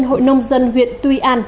hội nông dân huyện tuy an